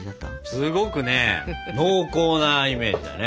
すごくね濃厚なイメージだよね。